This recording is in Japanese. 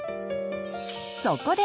そこで！